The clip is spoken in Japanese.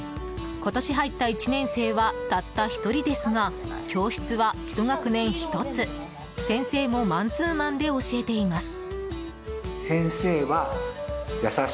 今年入った１年生はたった１人ですが教室は１学年１つ、先生もマンツーマンで教えています。